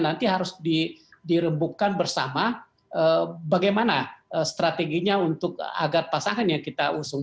nanti harus dirembukkan bersama bagaimana strateginya untuk agar pasangan yang kita usung